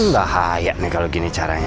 bahaya nih kalau gini caranya